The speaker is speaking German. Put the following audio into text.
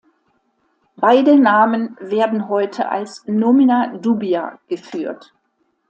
Beide Namen werden heute als "Nomina dubia" geführt.